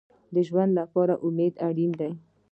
د ژوند لپاره امید اړین دی